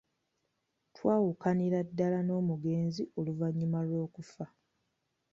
twawukanira ddaala n'omugenzi oluvannyuma lw'okufa.